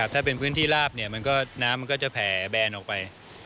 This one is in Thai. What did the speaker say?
ถ้าเป็นพื้นที่ลาบน้ำมันก็จะแผ่แบนออกไป